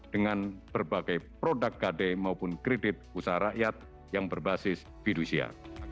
dengan berbagai produk gade maupun kredit usaha rakyat yang berbasis fidusia